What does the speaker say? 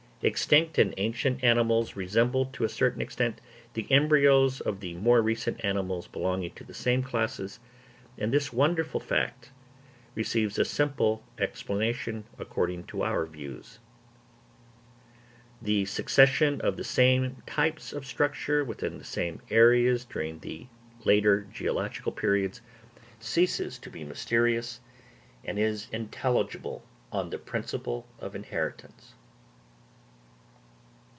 Extinct and ancient animals resemble to a certain extent the embryos of the more recent animals belonging to the same classes, and this wonderful fact receives a simple explanation according to our views. The succession of the same types of structure within the same areas during the later geological periods ceases to be mysterious, and is intelligible on the principle of inheritance.